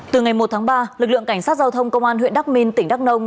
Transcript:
từ ngày một tháng ba lực lượng cảnh sát giao thông công an huyện đắk minh tỉnh đắk nông